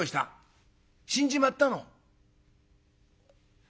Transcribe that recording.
「死んじまったの」。